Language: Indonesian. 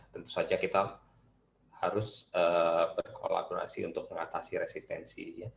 tentu saja kita harus berkolaborasi untuk mengatasi resistensi